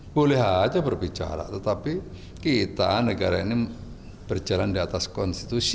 boleh aja berbicara tetapi kita negara ini berjalan di atas konstitusi